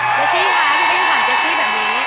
เจสซี่คะพี่กุ้งถามเจสซี่แบบนี้